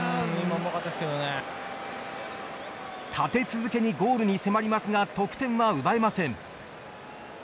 立て続けにゴールに迫りますが得点は奪えません。